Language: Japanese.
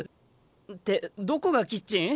ってどこがキッチン！？